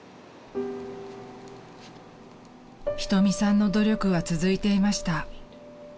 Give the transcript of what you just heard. ［瞳さんの努力は続いていました］